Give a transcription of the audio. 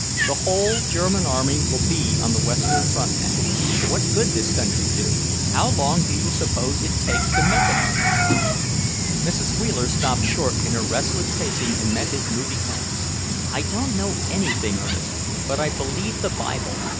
The whole German army will be on the Western front now. What could this country do? How long do you suppose it takes to make an army?" Mrs. Wheeler stopped short in her restless pacing and met his moody glance. "I don't know anything, Ernest, but I believe the Bible.